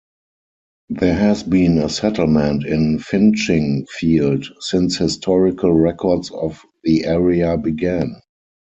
There has been a settlement in Finchingfield since historical records of the area began.